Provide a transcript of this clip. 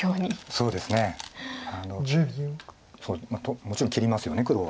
そうもちろん切りますよね黒は。